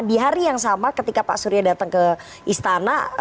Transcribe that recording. di hari yang sama ketika pak surya datang ke istana